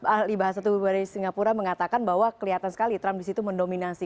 ahli bahasa tuhan dari singapura mengatakan bahwa kelihatan sekali trump disitu mendominasi